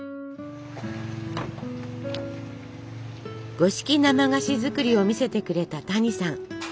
五色生菓子作りを見せてくれた谷さん。